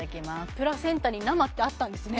プラセンタに生ってあったんですね